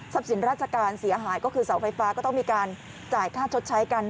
สินราชการเสียหายก็คือเสาไฟฟ้าก็ต้องมีการจ่ายค่าชดใช้กัน